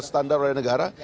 jangan dikontrol oleh negara